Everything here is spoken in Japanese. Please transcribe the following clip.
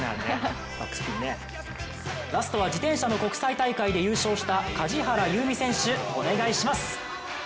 ラストは、自転車の国際大会で優勝した梶原悠未選手、お願いします！